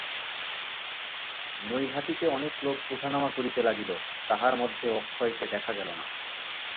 নৈহাটিতে অনেক লোক উঠানামা করিতে লাগিল, তাহার মধ্যে অক্ষয়কে দেখা গেল না।